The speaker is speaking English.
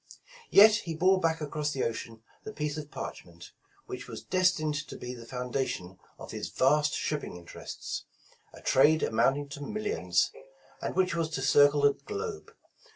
Yet he bore back across the ocean the piece of parchment, which was destined to be the foundation of his vast shipping interests, a trade amounting to mil lions, and which was to circle the globe.